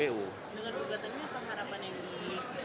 dengan ugatannya apa harapan yang di